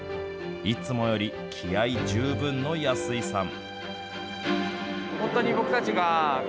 いつもより気合い十分の安井さん。